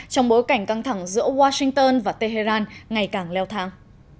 trong bối cảnh căng thẳng giữa washington và tehran ngày càng leo thang